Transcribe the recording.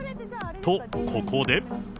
と、ここで。